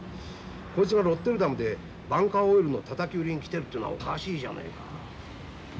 こいつがロッテルダムでバンカー・オイルのたたき売りに来てるっていうのはおかしいじゃねえか。